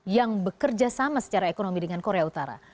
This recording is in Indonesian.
yang bekerja sama secara ekonomi dengan korea utara